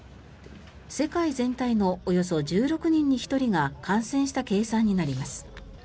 世界全体のおよそ１６人に１人が感染した計算になります。